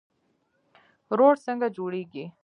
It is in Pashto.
روټ څنګه جوړیږي؟